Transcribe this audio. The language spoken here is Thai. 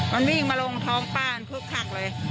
มันวิ่งมาลงท้องป้ามันคึกคักเลย